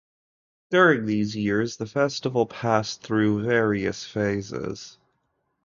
During these years the festival passed through various phases.